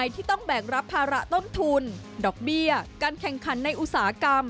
ที่ต้องแบกรับภาระต้นทุนดอกเบี้ยการแข่งขันในอุตสาหกรรม